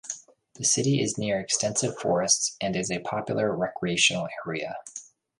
The city is near extensive forests, and is a popular recreational area.